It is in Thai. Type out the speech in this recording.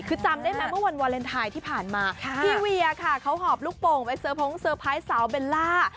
คือจำได้ไหมเมื่อวันวาเลนไทยที่ผ่านมาพี่เวียค่ะเขาหอบลูกโป่งไปเซอร์พงเซอร์ไพรส์สาวเบลล่า